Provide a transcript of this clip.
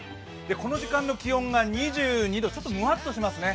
この時間の気温が２２度、ちょっとむわっとしますね。